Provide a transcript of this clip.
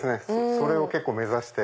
それを目指して。